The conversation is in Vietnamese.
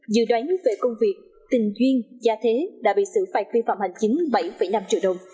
dự đoán về công việc tình duyên gia thế đã bị xử phạt vi phạm hành chính bảy năm triệu đồng